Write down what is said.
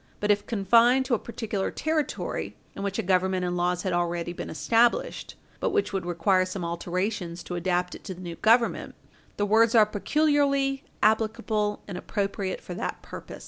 But if confined to a particular Territory, in which a Government and laws had already been established but which would require some alterations to adapt it to the new Government, the words are peculiarly applicable and appropriate for that purpose.